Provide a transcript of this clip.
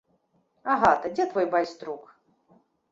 Агата, дзе твой байструк?